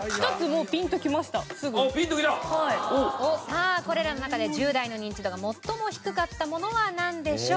さあこれらの中で１０代のニンチドが最も低かったものはなんでしょう？